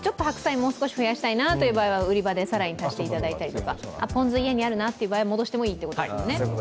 もう少し増やしたいなとか売り場で更に足していただいたり、ポン酢は家にあるなという場合は戻してもいいということですもんね。